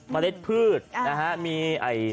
เมล็ดพืชนะฮะ